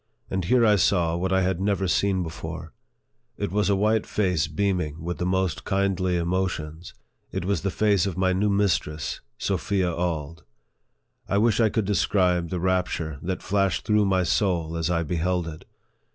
And here I saw what I had never seen before ; it was a white face beaming with the most kindly emotions ; it was the face of my new mistress, Sophia Auld. I wish I could describe the rapture that flashed through my soul as I beheld it.